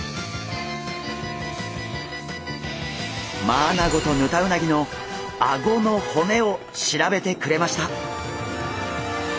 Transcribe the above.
マアナゴとヌタウナギのアゴの骨を調べてくれました！